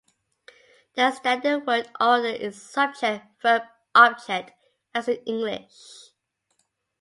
The standard word order is subject-verb-object, as in English.